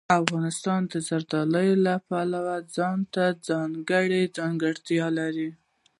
افغانستان د زردالو له پلوه ځانته ځانګړې ځانګړتیاوې لري.